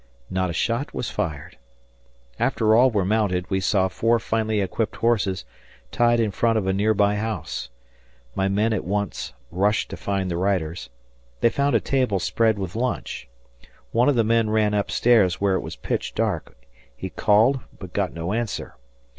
Not a shot was fired. After all were mounted, we saw four finely equipped horses tied in front of a near by house. My men at once rushed to find the riders. They found a table spread with lunch. One of the men ran up stairs where it was pitch dark; he called but got no answer.